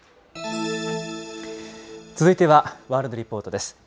続いてはワールドリポートです。